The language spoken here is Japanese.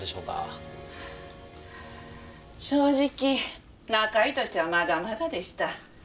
はぁ正直仲居としてはまだまだでした。